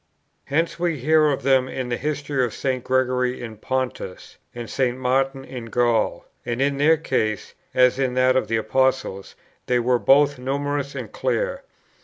Hence we hear of them in the history of St. Gregory in Pontus, and St. Martin in Gaul; and in their case, as in that of the Apostles, they were both numerous and clear.